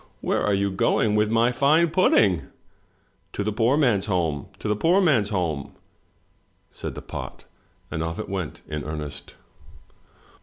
" Where are you going with my fine pudding?" "To the poor man's home, to the poor man's home," said the pot, and off it went in earnest.